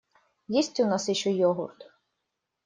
Есть у нас ещё йогурт?